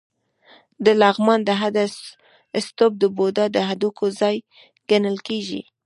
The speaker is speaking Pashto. د لغمان د هده ستوپ د بودا د هډوکو ځای ګڼل کېږي